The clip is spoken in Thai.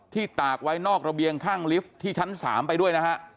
ตากไว้นอกระเบียงข้างลิฟท์ที่ชั้น๓ไปด้วยนะฮะ